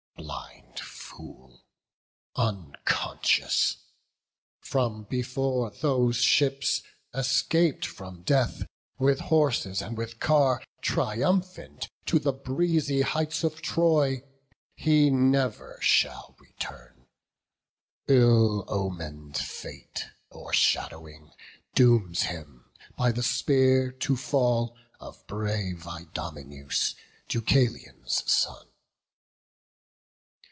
Blind fool, unconscious! from before those ships, Escap'd from death, with horses and with car Triumphant, to the breezy heights of Troy He never shall return; ill omen'd fate O'ershadowing, dooms him by the spear to fall Of brave Idomeneus, Deucalion's son.